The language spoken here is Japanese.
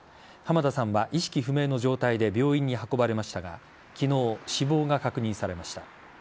浜田さんは意識不明の状態で病院に運ばれましたが昨日、死亡が確認されました。